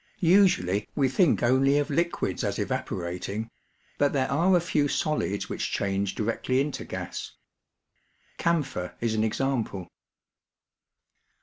Usually we think only of liquids as EVAPORATION 115 evaporating, but there are a few solids which change directly into gas. Camphor is an example.